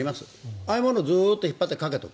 ああいうものを引っ張ってかけておく。